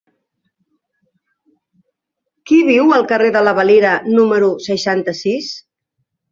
Qui viu al carrer de la Valira número seixanta-sis?